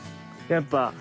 やっぱ。